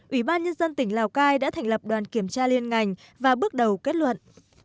ủy ban nhân dân tỉnh lào cai đã thành lập đoàn kiểm tra liên ngành và bước đầu kết luận